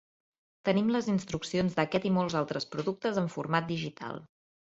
Tenim les instruccions d'aquest i molts altres productes en format digital.